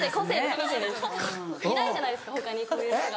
個性ですいないじゃないですか他にこういう人が。